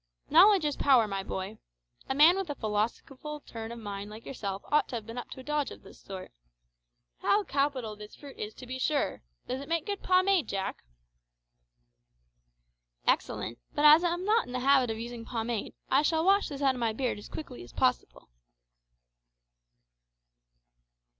"Knowledge is power, my boy. A man with a philosophical turn of mind like yourself ought to have been up to a dodge of this sort. How capital this fruit is, to be sure! Does it make good pomade, Jack?" "Excellent; but as I'm not in the habit of using pomade, I shall wash this out of my beard as quickly as possible."